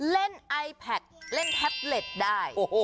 เล่นไอแพทเล่นแท็บเล็ตได้